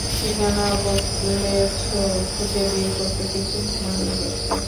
ঠিকানা বদলেছ, খুঁজে বের করতে কিছু সময় লেগেছে।